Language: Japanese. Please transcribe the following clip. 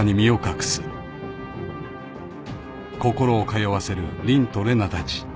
［心を通わせる凜と玲奈たち］